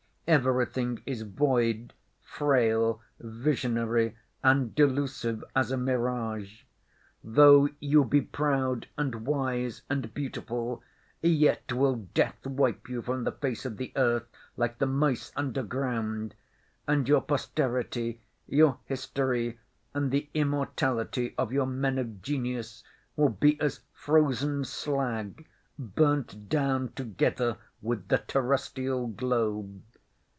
Everything is void, frail, visionary and delusive as a mirage. Though you be proud and wise and beautiful, yet will death wipe you from the face of the earth like the mice underground; and your posterity, your history, and the immortality of your men of genius will be as frozen slag, burnt down together with the terrestrial globe.